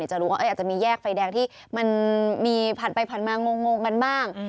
จะรู้ว่าอาจจะมีแยกไฟแดงที่มันมีผ่านไปผ่านมางงกันบ้าง